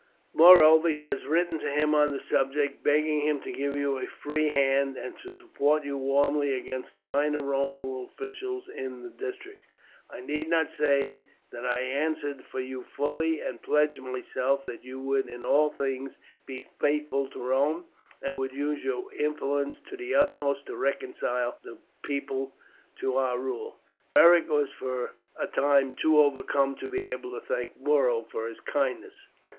Moreover, he has written to him on the subject, begging him to give you a free hand, and to support you warmly against the minor Roman officials of the district. I need not say that I answered for you fully, and pledged myself that you would in all things be faithful to Rome, and would use your influence to the utmost to reconcile the people to our rule." Beric was for a time too overcome to be able to thank Muro for his kindness.